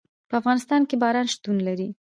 په افغانستان کې باران شتون لري.